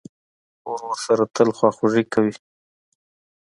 ورور سره تل خواخوږي کوې.